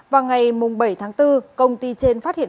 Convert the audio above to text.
vào ngày bảy tháng bốn công ty trên phát hiện